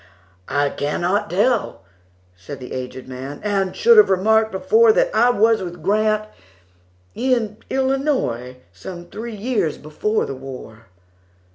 "I cannot tell," said the aged man,"And should have remarked before, That I was with Grant,—in Illinois,—Some three years before the war."